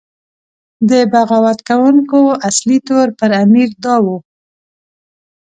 د بغاوت کوونکو اصلي تور پر امیر دا و.